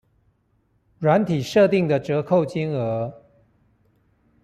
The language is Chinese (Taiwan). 軟體設定的折扣金額